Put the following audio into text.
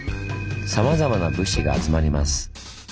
さまざまな物資が集まります。